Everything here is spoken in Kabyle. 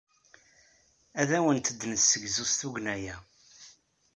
Ad awent-d-nessegzu s tugna-a.